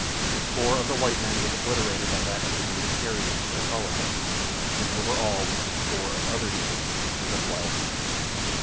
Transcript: The spoor of the white men was obliterated by that of the native carriers who had followed them, and over all was the spoor of other natives and of wild beasts.